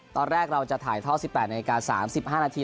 ตอนแรกเราจะถ่ายท่อ๑๘นาที๓๕นาที